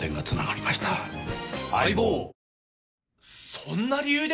そんな理由で？